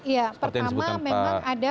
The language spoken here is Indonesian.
ya pertama memang ada